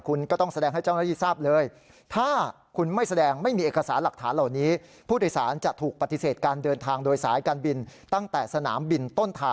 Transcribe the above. คุณก็ต้องแสดงให้เจ้าหน้าที่ทราบเลย